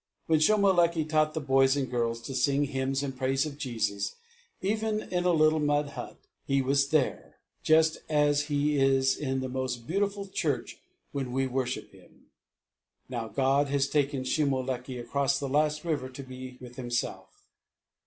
When Shomolekae taught the boys and girls to sing hymns in praise of Jesus, even in a little mud hut, He was there, just as He is in the most beautiful church when we worship Him. Now God has taken Shomolekae across the last river to be with Himself.